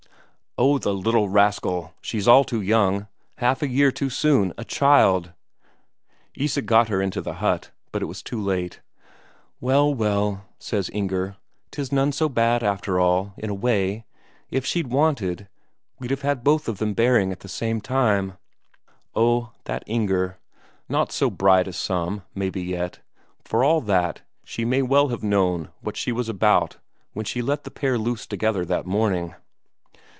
"Oh, the little rascal, she's all too young half a year too soon, a child!" Isak got her into the hut, but it was too late. "Well, well," says Inger, "'tis none so bad after all, in a way; if she'd waited, we'd have had both of them bearing at the same time." Oh, that Inger; not so bright as some, maybe, yet, for all that, she may well have known what she was about when she let the pair loose together that morning.